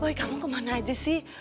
oh kamu kemana aja sih